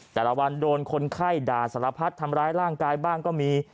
แต่ละวันโดนคนไข้ด่าสารพัดทำร้ายร่างกายบ้างก็มี